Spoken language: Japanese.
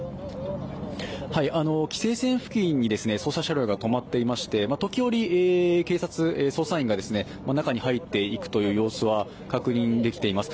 規制線付近に捜査車両が止まっていまして時折、警察、捜査員が中に入っていくという様子は確認できています